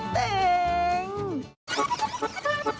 เมื่อิ้ยยย